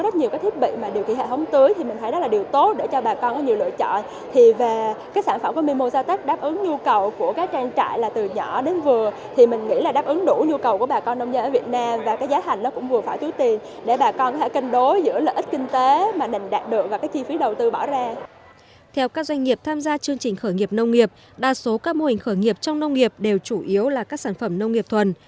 theo các doanh nghiệp tham gia chương trình khởi nghiệp nông nghiệp đa số các mô hình khởi nghiệp trong nông nghiệp đều chủ yếu là các sản phẩm nông nghiệp thuần